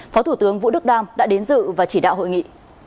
phó thủ tướng vũ đức đam đã đến dự và chỉ đạo hội nghị